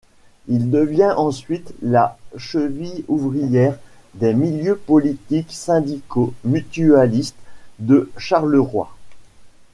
Il devient ensuite la cheville ouvrière des milieux politiques, syndicaux, mutuellistes de Charleroi.